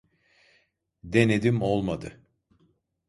Denedim olmadı